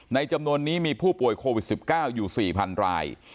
จำนวนนี้มีผู้ป่วยโควิด๑๙อยู่๔๐๐๐ราย